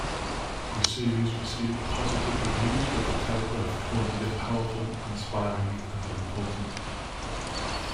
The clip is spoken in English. The series received positive reviews, with The Telegraph calling it powerful, inspiring, and important.